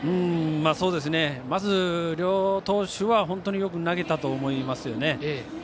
まず、両投手は本当によく投げたと思いますよね。